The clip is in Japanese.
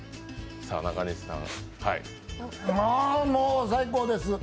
あ、もう最高です。